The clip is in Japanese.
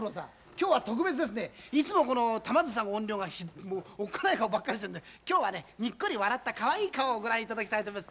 今日は特別ですねいつも玉梓が怨霊がおっかない顔ばかりしてるので今日はにっこり笑ったかわいい顔をご覧頂きたいと思います。